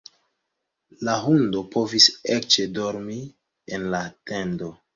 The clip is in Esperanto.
La hundo povis eĉ dormi en la tendo.